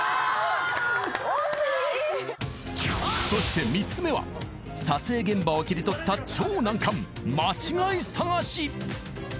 ［そして３つ目は撮影現場を切り取った超難関間違い探し］